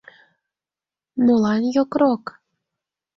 — Молан йокрок?